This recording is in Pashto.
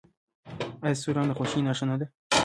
آیا سور رنګ د خوښۍ نښه نه ده؟